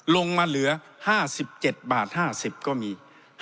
ลงมาเหลือ๕๗บาท๕๐ก็มี